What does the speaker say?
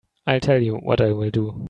I'll tell you what I'll do.